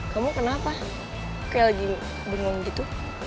kamu kenapa kayak lagi benung gitu